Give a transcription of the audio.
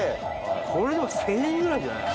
これでも１０００円ぐらいじゃない？